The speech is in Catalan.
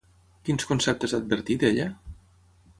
Quins conceptes ha advertit ella?